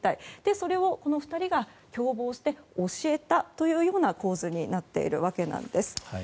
それをこの２人が共謀して、教えたというような構図になっているわけです。